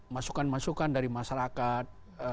masukan masukan dari masyarakat